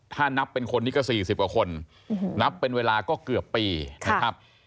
ถ้านับเป็นคนนี้ก็๔๐กว่าคนนับเป็นเวลาก็เกือบปีนะครับ